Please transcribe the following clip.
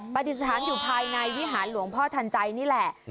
ปฏิสถานอยู่ภายในวิหารหลวงพ่อทันใจนี่แหละ